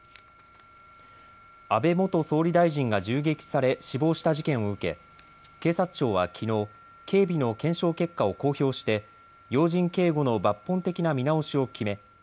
安倍元総理大臣が銃撃され死亡した事件を受け警察庁はきのう警備の検証結果を公表して要人警護の抜本的な見直しを決め